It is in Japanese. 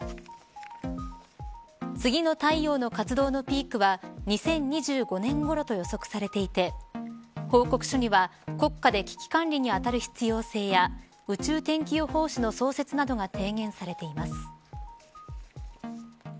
次の太陽の活動のピークは２０２５年ごろと予測されていて報告書には、国家で危機管理にあたる必要性や宇宙天気予報士の創設などが提言されています。